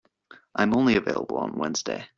I am only available on Wednesday.